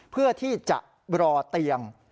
เพื่อที่จะรอเตียง